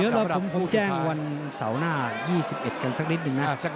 แล้วเราจะแจ้งวันเสาร์หน้า๒๑กันสักนิดหนึ่งนะ